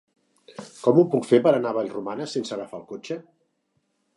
Com ho puc fer per anar a Vallromanes sense agafar el cotxe?